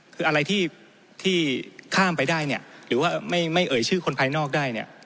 คืออะไรที่ข้ามไปได้เนี่ยหรือว่าไม่เอ่ยชื่อคนภายนอกได้เนี่ย